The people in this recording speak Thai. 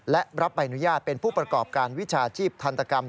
และรับใบอนุญาตเป็นผู้ประกอบการวิชาชีพทันตกรรม